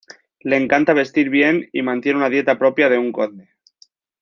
Le encanta vestir bien y mantiene una dieta propia de un Conde.